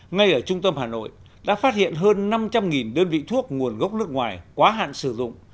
ngay ở trung tâm hà nội đã phát hiện hơn năm trăm linh đơn vị thuốc nguồn gốc nước ngoài quá hạn sử dụng